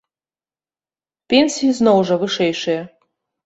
Пенсіі, зноў жа, вышэйшыя.